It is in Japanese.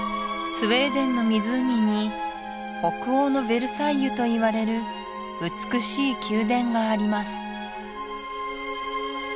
スウェーデンの湖に北欧のヴェルサイユといわれる美しい宮殿があります